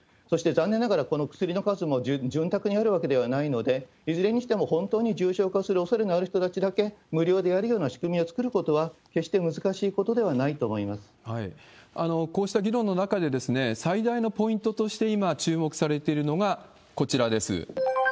そして、残念ながら、この薬の数も潤沢にあるわけではないので、いずれにしても本当に重症化するおそれのある人たちだけ無料でやるような仕組みを作ることは、決して難しいことではないと思いまこうした議論の中で、最大のポイントとして今、注目されているのが、こちらです。